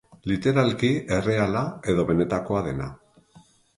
Literalki, erreala edo benetakoa dena.